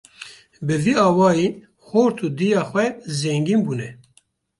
Bi vî awayî xort û dêya xwe zengîn bûne.